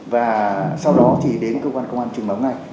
và sau đó thì đến cơ quan công an trình báo ngay